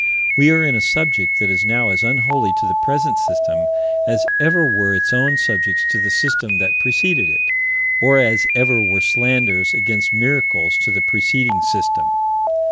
We are in a subject that is now as unholy to the present system as ever were its own subjects to the system that preceded it, or as ever were slanders against miracles to the preceding system.